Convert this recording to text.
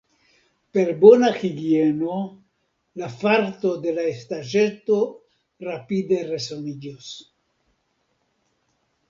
Per bona higieno la farto de la estaĵeto rapide resaniĝos.